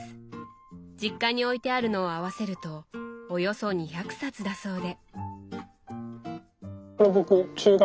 実家に置いてあるのを合わせるとおよそ２００冊だそうで。